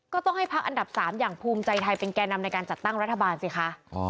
ก็ต้องให้พักอันดับ๓อย่างภูมิใจไทยเป็นแก่นำในการจัดตั้งรัฐบาลสิคะ